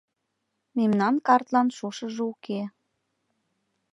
Мемнан картлан шушыжо уке.